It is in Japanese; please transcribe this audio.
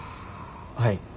はい。